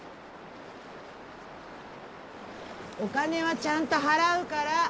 お金はちゃんと払うから！